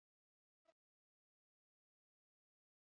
Horietatik bi bizi dira Euskal Herrian, soro-muxarra eta muxar grisa.